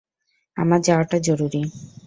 আমার যাওয়া টা জরুরী।